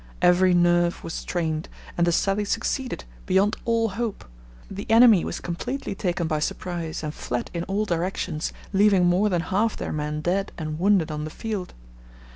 Every nerve was strained, and the sally succeeded beyond all hope. The enemy was completely taken by surprise and fled in all directions, leaving more than half their men dead and wounded on the field.